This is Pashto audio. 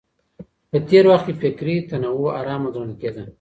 په تېر وخت کي فکري تنوع حرامه ګڼل کېده.